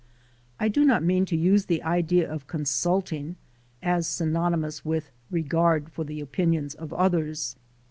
I do not mean to use the idea of "consulting" as synonomous with "regard for the opinions of others."